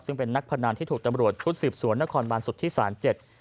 ซึ่งเป็นนักพนันที่ถูกตำรวจชุดสืบสวนนครบานสุธิศาลเจ็ด